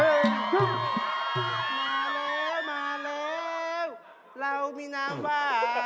เรามีน้ำบ้า